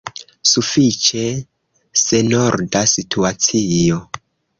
Sufiĉe senorda situacio.